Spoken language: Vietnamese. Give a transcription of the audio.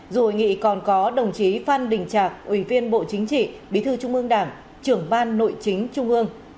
dù hội nghị còn có đồng chí phan đình trạc ủy viên bộ chính trị bí thư trung ương đảng trưởng ban nội chính trung ương